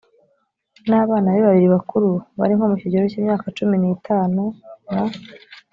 n abana be babiri bakuru bari nko mu kigero k imyaka cumi n itanu na